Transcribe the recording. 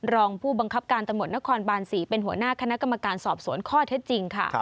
รองผู้บังคับการตำรวจนครบาน๔เป็นหัวหน้าคณะกรรมการสอบสวนข้อเท็จจริงค่ะ